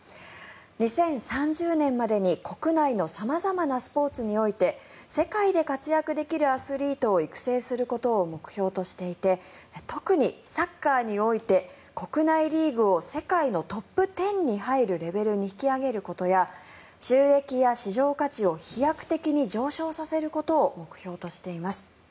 ２０３０年までに国内の様々なスポーツにおいて世界で活躍できるアスリートを育成することを目標としていて特にサッカーにおいて国内リーグを世界のトップ１０に入るレベルに引き上げることや収益や市場価値を飛躍的に上昇させることを目標としています。